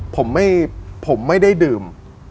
ผมไม่ผมไม่ได้ดื่ม